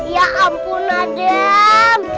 ya ampun adam